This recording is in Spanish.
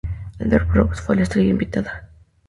Albert Brooks fue la estrella invitada.